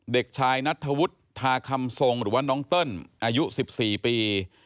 เด็กชายนัทธวุฒิทาคำทรงหรือว่าน้องเติ้ลอายุ๑๔ปี